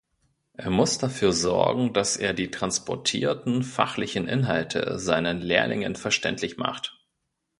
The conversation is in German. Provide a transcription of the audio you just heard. Er muss dafür sorgen, dass er die transportierten fachlichen Inhalte seinen Lehrlingen verständlich macht.